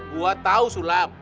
gua tau sulam